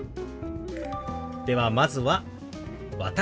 ではまずは「私」。